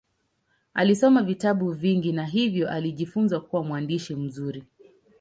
Alisoma vitabu vingi na hivyo alijifunza kuwa mwandishi mzuri.